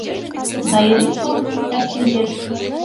Да эре шолып пӱкташ шинчеш.